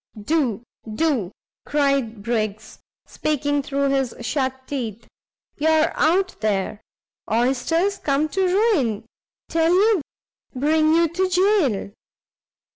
"Do! do!" cried Briggs, speaking through his shut teeth; "you're out there! oysters! come to ruin, tell you! bring you to jail!"